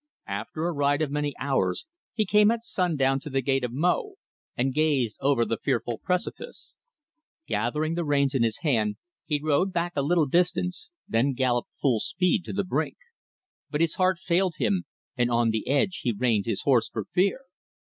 After a ride of many hours, he came at sundown to the Gate of Mo, and gazed over the fearful precipice. Gathering the reins in his hand he rode back a little distance, then gallopped full speed to the brink. But his heart failed him, and on the edge he reined his horse for fear.